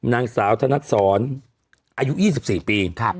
นางสาวธนัดศรอายุ๒๔ปี